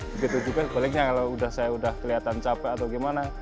begitu juga sebaliknya kalau saya udah kelihatan capek atau gimana